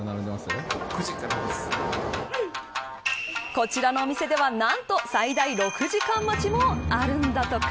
こちらのお店では何と最大６時間待ちもあるんだとか。